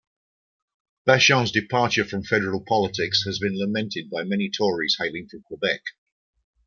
Bachand's departure from federal politics has been lamented by many Tories hailing from Quebec.